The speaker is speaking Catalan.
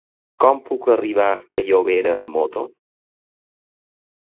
Com puc arribar a Llobera amb moto?